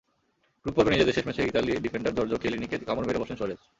গ্রুপপর্বে নিজেদের শেষ ম্যাচে ইতালি ডিফেন্ডার জর্জো কিয়েলিনিকে কামড় মেরে বসেন সুয়ারেজ।